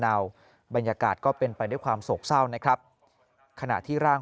บรรยากาศก็เป็นไปด้วยความโศกเศร้านะครับขณะที่ร่าง